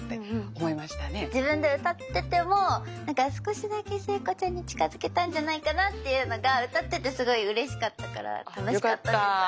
自分で歌っててもなんか少しだけ聖子ちゃんに近づけたんじゃないかな？っていうのが歌っててすごいうれしかったから楽しかったです。